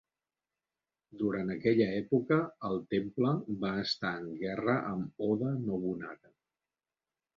Durant aquella època el temple va estar en guerra amb Oda Nobunaga.